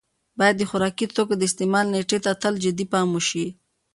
باید د خوراکي توکو د استعمال نېټې ته تل جدي پام وشي.